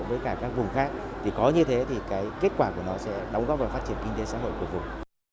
với cả các vùng khác thì có như thế thì cái kết quả của nó sẽ đóng góp vào phát triển kinh tế xã hội của vùng